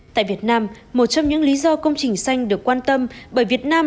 tại việt nam một trong những lý do công trình xanh được quan tâm bởi việt nam